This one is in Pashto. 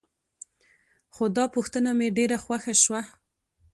خو دا پوښتنه مې ډېره خوښه شوه.